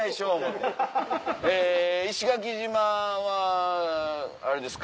え石垣島はあれですか？